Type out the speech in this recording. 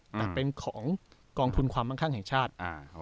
แต่เป็นของกองทุนความมั่งข้างแห่งชาติ